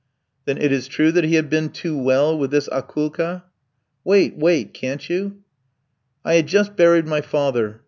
"Then it is true that he had been too well with this Akoulka?" "Wait, wait, can't you? I had just buried my father.